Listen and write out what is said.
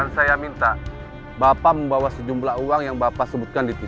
dan saya minta bapak membawa sejumlah uang yang bapak sebutkan di tv